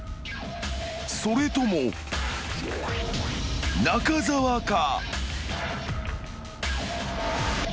［それとも中澤か？］